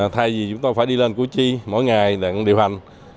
thay vì chúng tôi phải đi lên cú chi mỗi ngày để điều hành